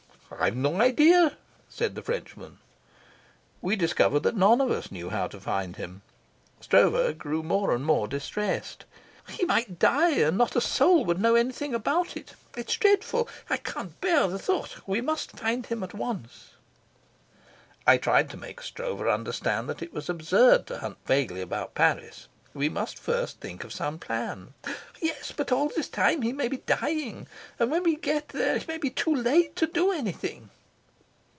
"I have no idea," said the Frenchman. We discovered that none of us knew how to find him. Stroeve grew more and more distressed. "He might die, and not a soul would know anything about it. It's dreadful. I can't bear the thought. We must find him at once." I tried to make Stroeve understand that it was absurd to hunt vaguely about Paris. We must first think of some plan. "Yes; but all this time he may be dying, and when we get there it may be too late to do anything."